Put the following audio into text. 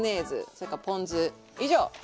それからポン酢以上。